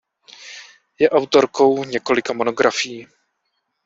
Je autorkou několika monografií.